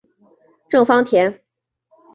郑芳田。